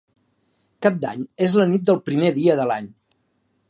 Cap d'Any és la nit del primer dia de l'any.